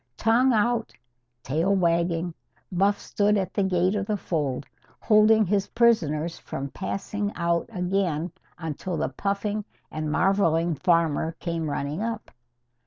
Tongue out, tail wagging, Buff stood at the gate of the fold, holding his prisoners from passing out again until the puffing and marvelling farmer came running up.